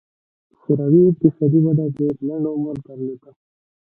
شوروي اقتصادي وده ډېر لنډ عمر درلود.